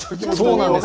そうなんです。